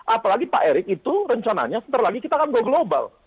apalagi pak erik itu rencananya sebentar lagi kita akan go global